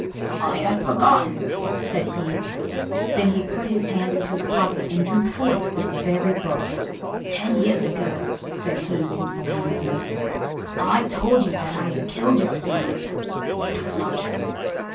"I had forgotten," said he. Then he put his hand into his pocket, and drew forth this very book. "Ten years ago," said he, consulting his notes, "I told you that I had killed your family. It was not true."